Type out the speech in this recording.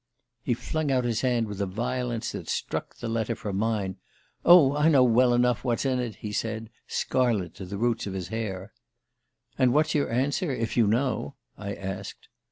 "He flung out his hand with a violence that struck the letter from mine. 'Oh, I know well enough what's in it!' he said, scarlet to the roots of his hair. "'And what's your answer, if you know?' I asked.